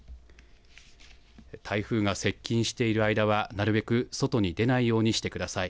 台風が接近している間はなるべく外に出ないようにしてください。